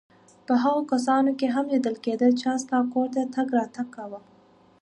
په هغو کسانو کې هم لیدل کېده چا ستا کور ته تګ راتګ کاوه.